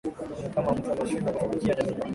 ini kama mtu ameshindwa kutumikia jamii